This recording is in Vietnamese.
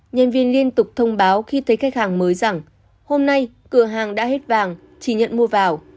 nhân viên liên tục thông báo khi thấy khách hàng mới rằng hôm nay cửa hàng đã hết vàng chỉ nhận mua vào